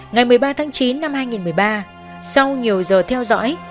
ngày một mươi ba tháng chín năm hai nghìn một mươi ba sau nhiều giờ theo dõi